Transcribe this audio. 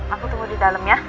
aku tunggu di dalam ya